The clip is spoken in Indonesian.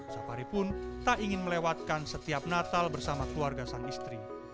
safari pun tak ingin melewatkan setiap natal bersama keluarga sang istri